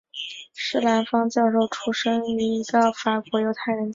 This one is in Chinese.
施兰芳教授出生在一个法国犹太人家庭。